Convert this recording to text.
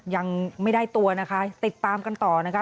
ยังไม่ได้ตัวนะคะติดตามกันต่อนะคะ